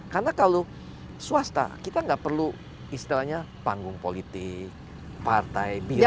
karena kalau swasta kita tidak perlu istilahnya panggung politik partai birokrat